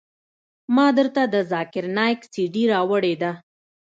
ما درته د ذاکر نايک سي ډي راوړې ده.